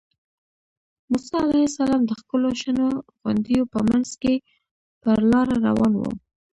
موسی علیه السلام د ښکلو شنو غونډیو په منځ کې پر لاره روان و.